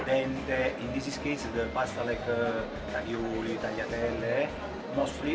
dan di sini pasta seperti ravioli italian dan ravaglia